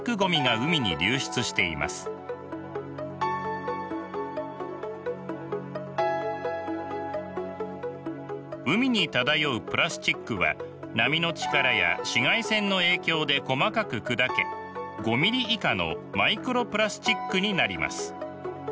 海に漂うプラスチックは波の力や紫外線の影響で細かく砕け５ｍｍ以下のマイクロプラスチックになります。